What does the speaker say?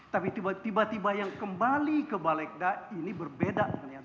tapi tiba tiba yang kembali ke balegda ini berbeda